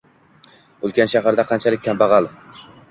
Ulkan shaharda qanchalik kambag’al.